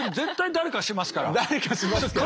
誰かしますけど。